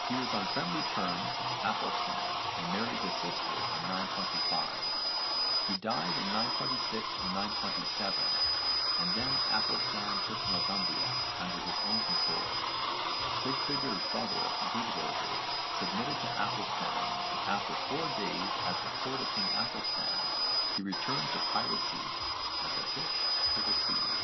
He was on friendly terms with Aethelstan and married his sister in 925. He died in 926 or 927 and then Aethelstan took Northumbria under his own control. Sigtryggr's brother Guðröðr submitted to Aethelstan but after four days at the court of king Aethelstan 'he returned to piracy as a fish to the sea.'